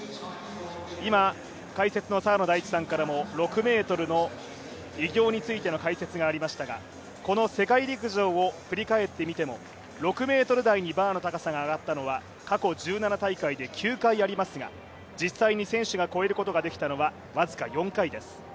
今、解説の澤野大地さんからも６ｍの偉業についての解説がありましたが、この世界陸上を振り返ってみても６ｍ台にバーの高さが上がったのは過去１７大会で９回ありますが実際に選手が越えることができたのは僅か４回です。